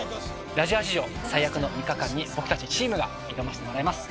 「ラジハ」史上最悪の３日間に僕たちチームが挑ませてもらいます。